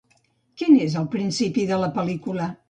Quin és el principi de la pel·lícula?